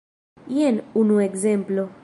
Jen unu ekzemplo.